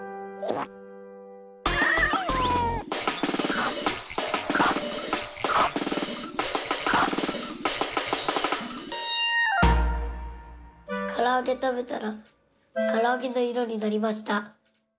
からあげたべたらからあげのいろになりました。